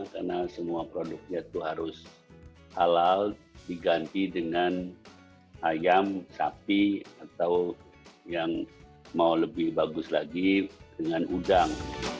karena semua produknya itu harus halal diganti dengan ayam sapi atau yang mau lebih bagus lagi dengan udang